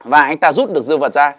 và anh ta rút được dương vật ra